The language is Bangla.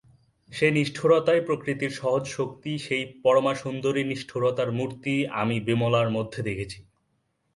সে নিষ্ঠুরতাই প্রকৃতির সহজ শক্তি সেই পরমাসুন্দরী নিষ্ঠুরতার মূর্তি আমি বিমলার মধ্যে দেখেছি।